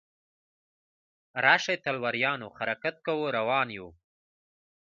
راشئ تلواریانو حرکت کوو روان یو.